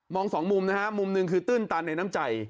สองมุมนะฮะมุมหนึ่งคือตื้นตันในน้ำใจ